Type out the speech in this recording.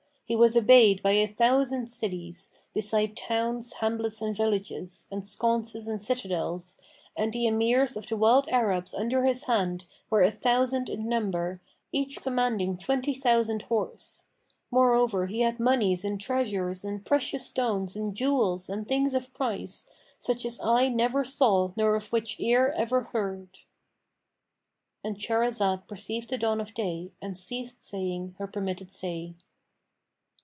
He was obeyed by a thousand cities, besides towns, hamlets and villages; and sconces and citadels, and the Emirs[FN#515] of the wild Arabs under his hand were a thousand in number, each commanding twenty thousand horse. Moreover, he had monies and treasures and precious stones and jewels and things of price, such as eye never saw nor of which ear ever heard.'"—And Shahrazad perceived the dawn of day and ceased saying her permitted say.